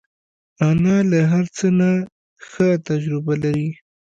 انا له هر څه نه ښه تجربه لري